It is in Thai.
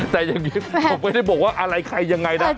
แต่อย่างนี้ผมไม่ได้บอกว่าอะไรใครยังไงนะ